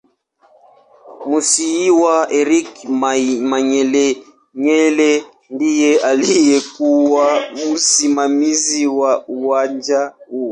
Musiiwa Eric Manyelenyele ndiye aliyekuw msimamizi wa uwanja huo